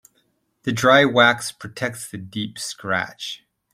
The dry wax protects the deep scratch.